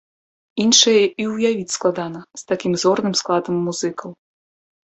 Іншае і ўявіць складана, з такім зорным складам музыкаў.